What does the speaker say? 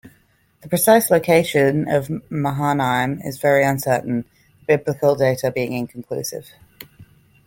The precise location of Mahanaim is very uncertain, the Biblical data being inconclusive.